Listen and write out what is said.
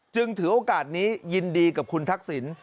จึงถือโอกาสนี้ยินดีกับคุณทักษิณ